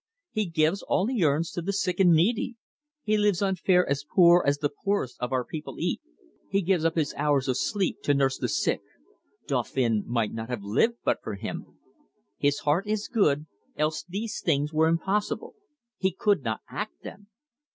He gives all he earns to the sick and needy. He lives on fare as poor as the poorest of our people eat; he gives up his hours of sleep to nurse the sick. Dauphin might not have lived but for him. His heart is good, else these things were impossible. He could not act them."